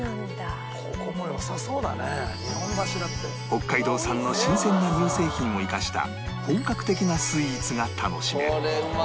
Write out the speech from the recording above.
北海道産の新鮮な乳製品を生かした本格的なスイーツが楽しめる